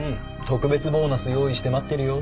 特別ボーナス用意して待ってるよ。